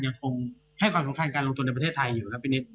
ยังคงให้ความสำคัญการลงทุนในประเทศไทยอยู่ครับพี่นิด